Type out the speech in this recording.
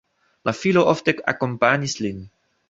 La filo ofte akompanis lin.